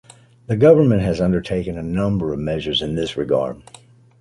The Government has undertaken a number of measures in this regard.